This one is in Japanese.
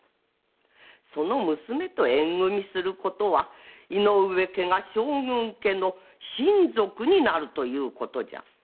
その娘と縁組みすれば井上家が将軍家の親族になるということ。